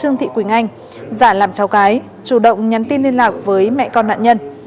trương thị quỳnh anh giả làm cháu gái chủ động nhắn tin liên lạc với mẹ con nạn nhân